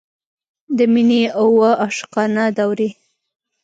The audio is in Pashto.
د مینې اوه عاشقانه دورې.